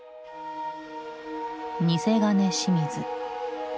「偽金清水」。